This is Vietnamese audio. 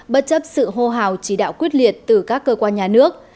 bất chấp sự hô hào chỉ đạo quyết liệt từ các cơ quan nhà nước